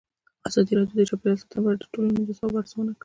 ازادي راډیو د چاپیریال ساتنه په اړه د ټولنې د ځواب ارزونه کړې.